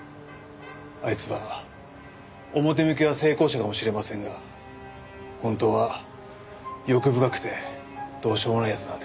あいつは表向きは成功者かもしれませんが本当は欲深くてどうしようもない奴なんです。